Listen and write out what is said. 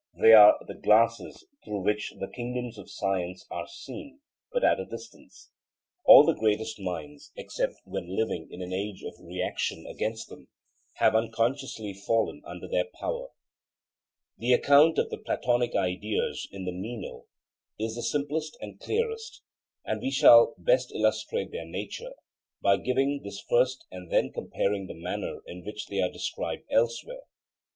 They are the glasses through which the kingdoms of science are seen, but at a distance. All the greatest minds, except when living in an age of reaction against them, have unconsciously fallen under their power. The account of the Platonic ideas in the Meno is the simplest and clearest, and we shall best illustrate their nature by giving this first and then comparing the manner in which they are described elsewhere, e.